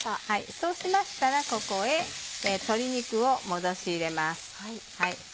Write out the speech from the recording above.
そうしましたらここへ鶏肉を戻し入れます。